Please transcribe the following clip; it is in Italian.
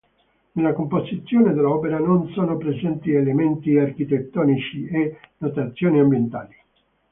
Nella composizione dell'opera non sono presenti elementi architettonici e notazioni ambientali.